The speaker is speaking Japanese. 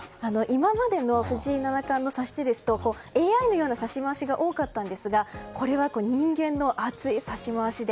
今までの藤井七冠の指し手はＡＩのような指し回しが多かったんですがこれは、人間の熱い指し回しで。